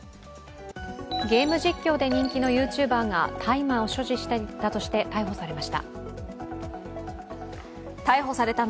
ゲーム実況で人気のＹｏｕＴｕｂｅｒが大麻を所持していたとして逮捕されました。